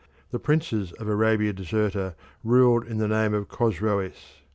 The princes of Arabia Deserta ruled in the name of the Chosroes.